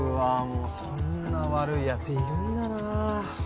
もうそんな悪いやついるんだな